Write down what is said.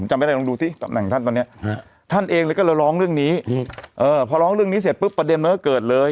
จำไม่ได้ลองดูที่ตำแหน่งท่านตอนนี้ท่านเองเลยก็เลยร้องเรื่องนี้พอร้องเรื่องนี้เสร็จปุ๊บประเด็นมันก็เกิดเลย